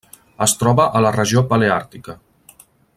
Es troba a la regió paleàrtica.